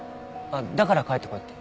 だから帰ってこいって？